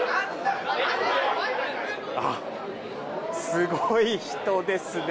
すごい人ですね。